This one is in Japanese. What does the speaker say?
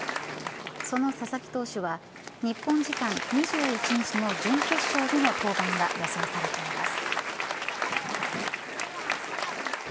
その佐々木投手は日本時間２１日の準決勝での登板が予想されています。